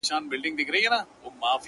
جهاني دا چي بلیږي یوه هم نه پاته کیږي!.